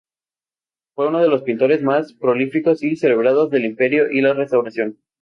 Fue uno de los pintores más prolíficos y celebrados del Imperio y la Restauración.